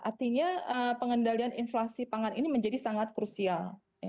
artinya pengendalian inflasi pangan ini menjadi sangat krusial